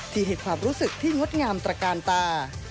ที่ให้ความรู้สึกที่งดงามตระกาลตา